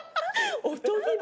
おとぎ話。